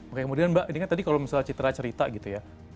oke kemudian mbak ini kan tadi kalau misalnya citra cerita gitu ya